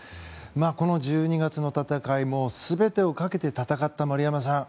この１２月の戦いも全てをかけて戦った丸山さん。